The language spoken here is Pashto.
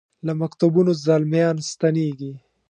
له مکتبونو زلمیا ن ستنیږي